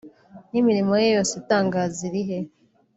n'imirimo ye yose itangaza irihe